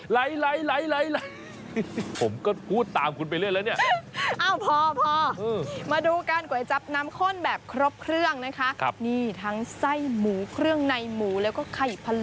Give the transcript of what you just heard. ไลฟ์ผมก็พูดตามคุณไปเรื่อยแล้วเนี่ย